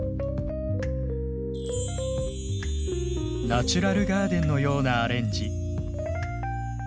ナチュラルガーデンのようなアレンジ。